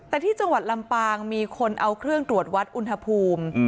แต่ที่จังหวัดลำปางมีคนเอาเครื่องตรวจวัดอุณหภูมิ